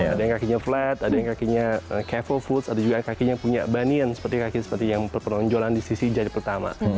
ada yang kakinya flat ada yang kakinya kevo foot ada juga yang kakinya punya bunyan seperti kaki yang peronjolan di sisi jari pertama